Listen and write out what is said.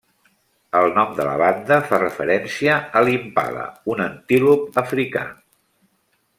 El nom de la banda fa referència a l'Impala, un antílop africà.